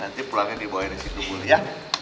nanti pulangnya dibawainin sih dulu ya